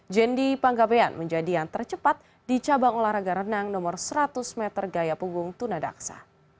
jendi panggabean menjadi yang tercepat di cabang olahraga renang nomor seratus meter gaya punggung tunadaksa